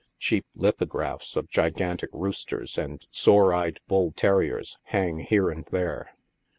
Cheap lithographs of gigantic roosters and sore eyed bull terriers hang here and there.